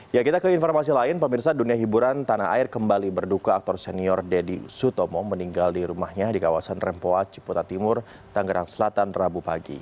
ya kita ke informasi lain pemirsa dunia hiburan tanah air kembali berduka aktor senior deddy sutomo meninggal di rumahnya di kawasan rempoa ciputa timur tanggerang selatan rabu pagi